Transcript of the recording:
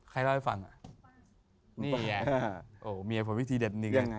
ใครเล่าให้ฟันอะนี่แหละโอ้เมียผมวิธีเด็ดนึงอะ